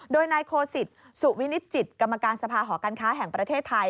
โดยนายโคสิตสุวินิจิตกรรมการสภาหอการค้าแห่งประเทศไทย